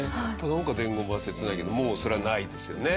なんか伝言板切ないけどもうそれはないですよね。